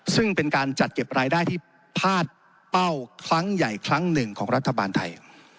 ซึ่งเป็นการจัดเก็บรายได้ที่พลาดเป้าครั้งใหญ่ครั้งหนึ่งของรัฐบาลไทย